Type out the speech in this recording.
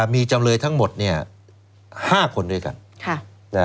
มีจำเลยทั้งหมด๕คนด้วยกัน